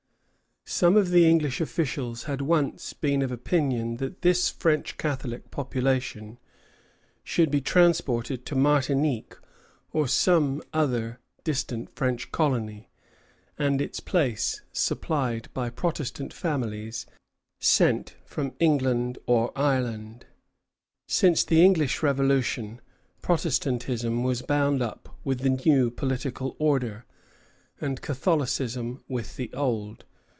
Some of the English officials had once been of opinion that this French Catholic population should be transported to Martinique or some other distant French colony, and its place supplied by Protestant families sent from England or Ireland. Since the English Revolution, Protestantism was bound up with the new political order, and Catholicism with the old.